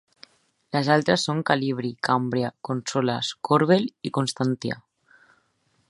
Les altres són Calibri, Cambria, Consolas, Corbel i Constantia.